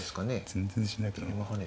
全然自信ないけどね。